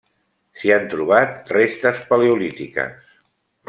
S'hi han trobat restes paleolítiques.